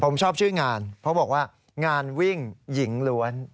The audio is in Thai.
ผมชอบชื่องานเพราะบอกว่างานวิ่งหญิงล้วน